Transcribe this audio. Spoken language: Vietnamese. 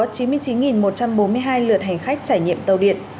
có chín mươi chín một trăm bốn mươi hai lượt hành khách trải nghiệm tàu điện